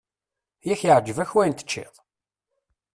Yak iɛǧeb-ak wayen teččiḍ!